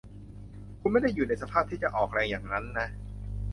คุณไม่ได้อยู่ในสภาพที่จะออกแรงอย่างนั้นนะ